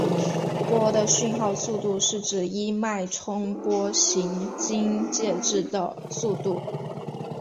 波的讯号速度是指一脉冲波行经介质的速度。